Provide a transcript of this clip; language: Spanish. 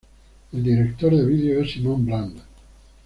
El director del video es Simon Brand.